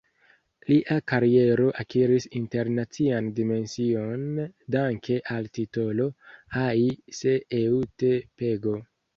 Lia kariero akiris internacian dimension danke al titolo "Ai se eu te pego".